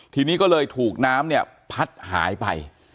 ทีนี้ก็เลยถูกน้ำเนี่ยพัดหายไป